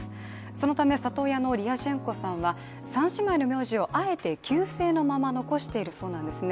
そのため里親のリアシェンコさんは３姉妹の名字をあえて旧姓のまま残しているそうです。